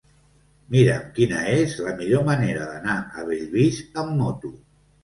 Mira'm quina és la millor manera d'anar a Bellvís amb moto.